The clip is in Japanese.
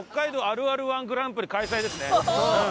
あるある−１グランプリ開催ですね。